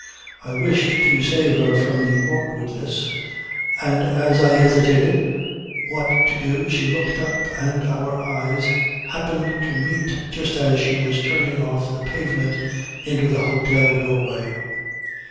I wished to save her from the awkwardness, and as I hesitated what to do she looked up and our eyes happened to meet just as she was turning off the pavement into the hotel doorway.